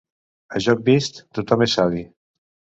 A joc vist, tothom és savi.